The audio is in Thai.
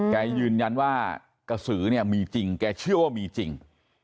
แกยืนยันว่ากระสือเนี่ยมีจริงแกเชื่อว่ามีจริง